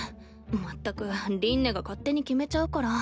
まったく凛音が勝手に決めちゃうから。